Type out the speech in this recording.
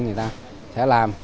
người ta sẽ làm